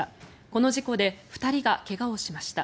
この事故で２人が怪我をしました。